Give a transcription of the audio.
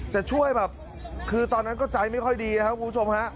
แต่ช่วยแบบคือตอนนั้นก็ใจไม่ค่อยดีนะครับคุณผู้ชมฮะ